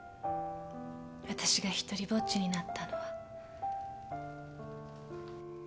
わたしが独りぼっちになったのは。